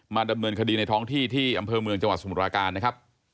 ดำเนินคดีในท้องที่ที่อำเภอเมืองจังหวัดสมุทราการนะครับ